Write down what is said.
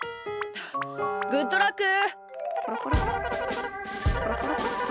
グッドラック！